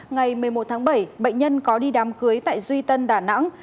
ngày một mươi một tháng bảy bệnh nhân có đi đám cưới tại duy tân đà nẵng